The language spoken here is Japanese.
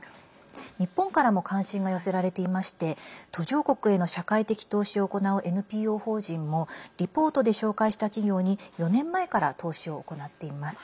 日本からも関心が寄せられていまして途上国への社会的投資を行うＮＰＯ法人もリポートで紹介した企業に４年前から投資を行っています。